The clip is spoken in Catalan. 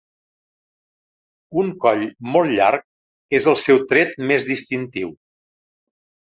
Un coll molt llarg és el seu tret més distintiu.